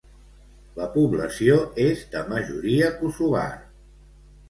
La població és de majoria kosovar.